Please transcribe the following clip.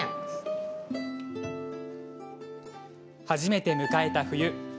初めて迎えた冬。